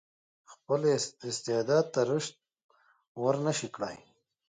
خپل استعداد ته رشد ورنه شي کړای.